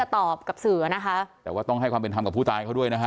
แต่ว่าต้องให้ความเป็นธรรมกับผู้ตายเขาด้วยนะฮะ